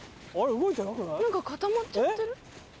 何か固まっちゃってる？